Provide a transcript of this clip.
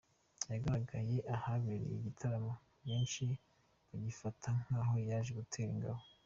yagaragaye ahabereye igitaramo benshi babifata nkaho yaje gutera ingabo.